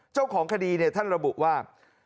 เจ้าของคดีท่านระบุว่า